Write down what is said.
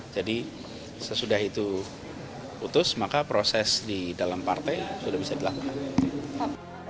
jadi sesudah itu putus maka proses di dalam partai sudah bisa dilakukan